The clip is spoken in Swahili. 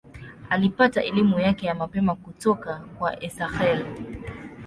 Alipata elimu yake ya mapema kutoka kwa Esakhel.